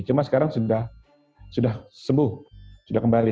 cuma sekarang sudah sembuh sudah kembali